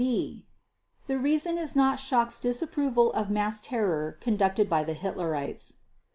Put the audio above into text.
b) The reason is not Schacht's disapproval of mass terror conducted by the Hitlerites.